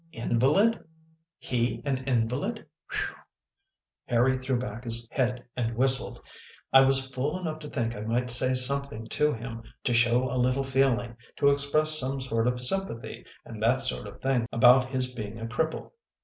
" Invalid ! He an invalid ! whew ..." Harry threw back his head and whistled. " I was fool enough to think I might say something to him to show a little feeling, to express some sort of sympathy and that sort of thing about his being a cripple.